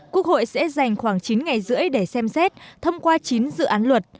quốc hội sẽ dành khoảng chín ngày rưỡi để xem xét thông qua chín dự án luật